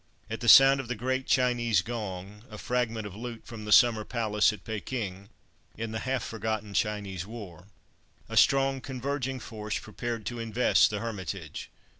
At the sound of the great Chinese gong, a fragment of loot from the Summer Palace at Pekin, in the half forgotten Chinese war, a strong converging force prepared to invest the Hermitage.